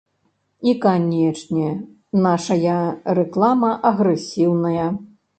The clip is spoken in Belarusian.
І, канечне, нашая рэклама агрэсіўная.